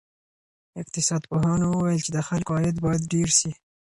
اقتصاد پوهانو وویل چې د خلکو عاید باید ډېر سي.